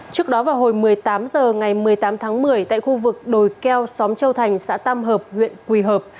trước đó vào hồi một mươi tám h ngày một mươi tám tháng một mươi tại khu vực đồi keo xóm châu thành xã tam hợp huyện quỳ hợp